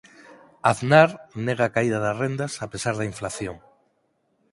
Aznar nega a caída das rendas a pesar da inflación